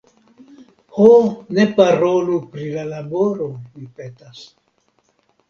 Ho, ne parolu pri la laboro, mi petas.